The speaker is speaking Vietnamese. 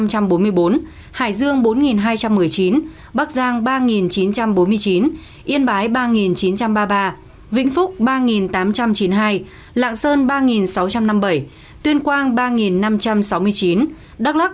hải dương bốn hai trăm một mươi chín bắc giang ba chín trăm bốn mươi chín yên bái ba chín trăm ba mươi ba vĩnh phúc ba tám trăm chín mươi hai lạng sơn ba sáu trăm năm mươi bảy tuyên quang ba năm trăm sáu mươi chín đắk lắc ba bốn trăm bảy mươi tám